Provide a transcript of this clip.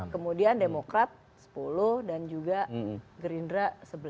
kemudian demokrat sepuluh dan juga gerindra sebelas